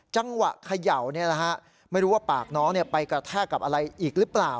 จังหวะเขย่าไม่รู้ว่าปากน้องไปกระแทกกับอะไรอีกหรือเปล่า